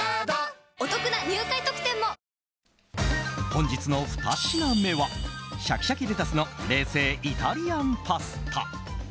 本日のふた品目はシャキシャキレタスの冷製イタリアンパスタ。